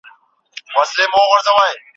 وايي د مُلا کتاب خاص د جنتونو باب